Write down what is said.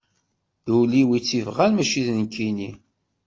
D ul-iw i tt-ibɣan mačči d nekkini.